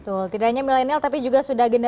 betul tidak hanya milenial tapi juga sudah gede gede